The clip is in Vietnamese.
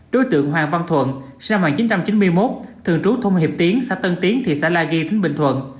đối tượng hoàng văn thuận sinh năm một nghìn chín trăm chín mươi một trú tại khu phố ba tân thiện thị xã la ghi tỉnh bình thuận